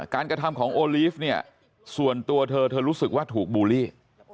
การกระทำของเนี่ยส่วนตัวเธอรู้สึกว่าถูกบูรี